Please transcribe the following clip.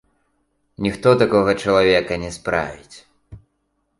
Ніхто такога чалавека не справіць.